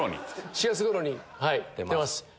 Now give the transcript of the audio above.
４月ごろに出ます。